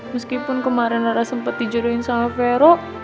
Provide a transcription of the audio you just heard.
meskipun kemarin rara sempet dijodohin sama vero